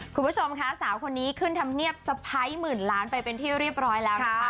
คุณผู้ชมค่ะสาวคนนี้ขึ้นธรรมเนียบสะพ้ายหมื่นล้านไปเป็นที่เรียบร้อยแล้วนะคะ